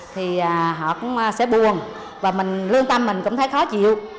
thì họ cũng sẽ buồn và mình lương tâm mình cũng thấy khó chịu